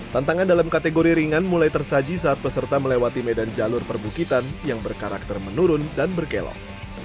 tantangan dalam kategori ringan mulai tersaji saat peserta melewati medan jalur perbukitan yang berkarakter menurun dan berkelok